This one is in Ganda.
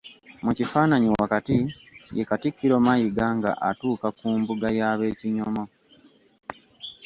Mu kifaananyi wakati ye Katikkiro Mayiga nga atuuka ku mbuga y'ab'Ekinyomo.